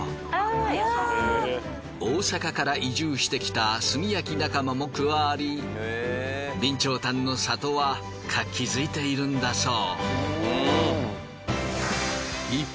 大阪から移住してきた炭焼き仲間も加わり備長炭の里は活気づいているんだそう。